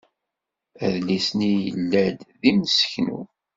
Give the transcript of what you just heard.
Adlis-nni yella-d d imseknu.